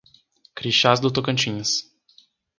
Crixás do Tocantins